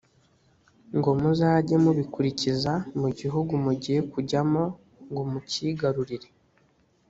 ngo muzajye mubikurikiza mu gihugu mugiye kujyamo ngo mukigarurire;